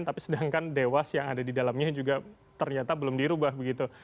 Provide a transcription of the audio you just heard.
tapi sedangkan dewas yang ada di dalamnya juga ternyata belum dirubah begitu